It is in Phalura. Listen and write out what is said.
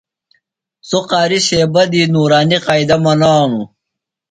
سوۡ قاریۡ صیبہ دی نورانیۡ قائدہ منانوۡ۔